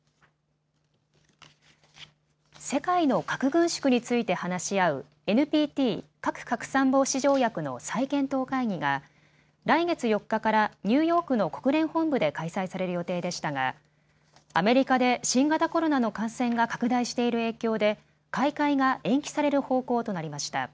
世界の核軍縮について話し合うＮＰＴ・核拡散防止条約の再検討会議が来月４日からニューヨークの国連本部で開催される予定でしたがアメリカで新型コロナの感染が拡大している影響で開会が延期される方向となりました。